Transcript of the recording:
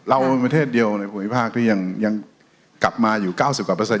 เราเป็นประเทศเดียวในภูมิภาคที่ยังกลับมาอยู่๙๐กว่าเปอร์เซ็